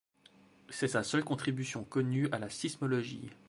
C'est sa seule contribution connue à la sismologie.